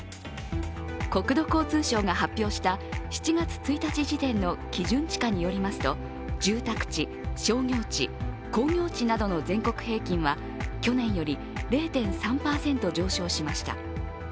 国土交通省が発表した７月１日時点の基準地価によりますと住宅地・商業地・工業地などの全国平均は去年より０．３％上昇しました。